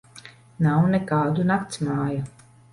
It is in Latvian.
Nav nekādu naktsmāju.